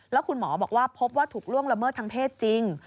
แล้วคุณหมอบอกว่าพบว่าถูกล่วงละเมิดทางเพศจริง